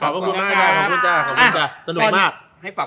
ขอบมือคุณกับปั้น